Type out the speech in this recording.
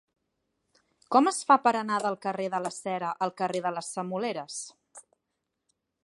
Com es fa per anar del carrer de la Cera al carrer de les Semoleres?